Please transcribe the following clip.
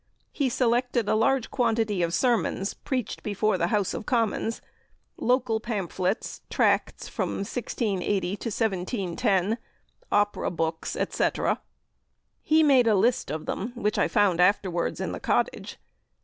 He selected a large quantity of Sermons preached before the House of Commons, local pamphlets, tracts from 1680 to 1710, opera books, etc. He made a list of them, which I found afterwards in the cottage.